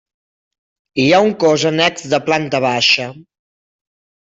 Hi ha un cos annex de planta baixa.